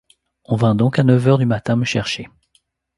On vint donc à neuf heures du matin me chercher.